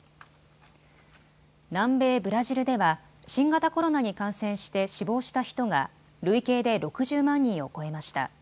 南米ブラジルでは新型コロナに感染して死亡した人が累計で６０万人を超えました。